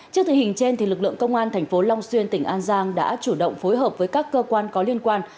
trước thời hình trên lực lượng công an tp long xuyên tỉnh an giang đã chủ động phối hợp với các cơ quan có liên quan